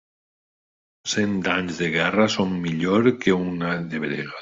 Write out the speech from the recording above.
Cent anys de guerra són millor que un de brega.